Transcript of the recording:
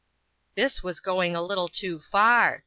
This was going a little too far.